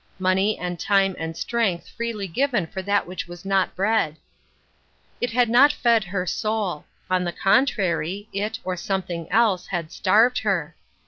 Money and time and strength freely given for that which was not bread I It had not fed her soul ; on the contrary, it, or something else, had starved her.